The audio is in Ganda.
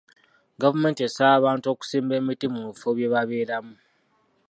Gavumenti esaba abantu okusimba emiti mu bifo bye babeeramu.